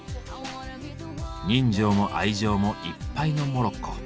人情も愛情もいっぱいのモロッコ。